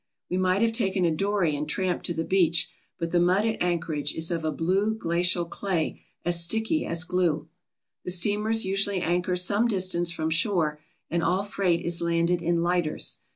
We might have taken a dory and tramped to the beach, but the mud at Anchorage is of a blue glacial clay as sticky as glue. The steamers usually anchor some distance from shore and all freight is landed in lighters.